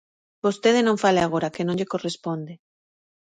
Vostede non fale agora, que non lle corresponde.